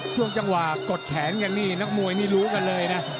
ช่วงจังหวะกดแขนกันนี่นักมวยนี่รู้กันเลยนะ